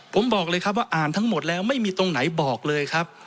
ผมบอกเลยครับว่าอ่านทั้งหมดแล้วไม่มีตรงไหนบอกเลยครับ